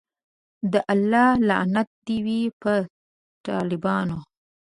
د الله لعنت دی وی په ټالبانو